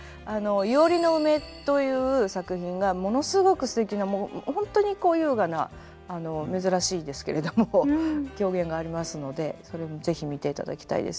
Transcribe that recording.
「庵の梅」という作品がものすごくすてきなもうホントにこう優雅な珍しいですけれども狂言がありますのでそれも是非見ていただきたいです。